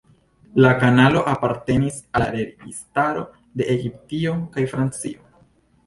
La kanalo apartenis al la registaroj de Egiptio kaj Francio.